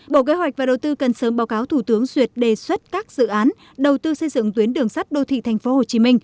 bộ kế hoạch và đầu tư cần sớm báo cáo thủ tướng duyệt đề xuất các dự án đầu tư xây dựng tuyến đường sắt đô thị tp hcm